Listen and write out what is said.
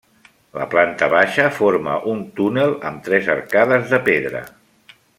La planta baixa forma un túnel amb tres arcades de pedra.